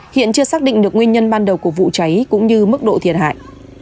hiện chưa xác định được nguyên nhân ban đầu của vụ cháy cũng như mức độ thiệt hại